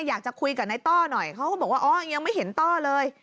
อยากจะคุยกับนายต้อหน่อยเขาก็บอกว่าอ๋อยังไม่เห็นต้อเลย